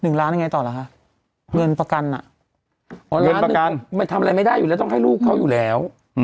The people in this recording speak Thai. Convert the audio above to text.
ล้านยังไงต่อล่ะคะเงินประกันอ่ะอ๋อล้านหนึ่งมันทำอะไรไม่ได้อยู่แล้วต้องให้ลูกเขาอยู่แล้ว